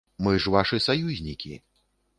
Мы ж вашы саюзнікі.